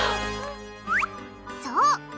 そう！